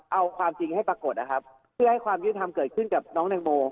เอาความจริงให้ปรากฏนะครับเพื่อให้ความยุติธรรมเกิดขึ้นกับน้องแตงโม